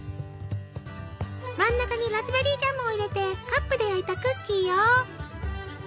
真ん中にラズベリージャムを入れてカップで焼いたクッキーよ。